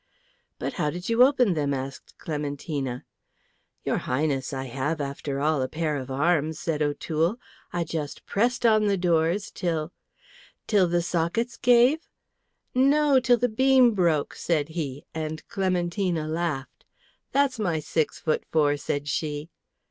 "But how did you open them?" asked Clementina. "Your Highness, I have, after all, a pair of arms," said O'Toole. "I just pressed on the doors till " "Till the sockets gave?" "No, till the beam broke," said he, and Clementina laughed. "That's my six foot four!" said she.